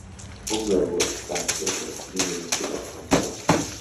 Un nuevo espacio de biodiversidad para explorar.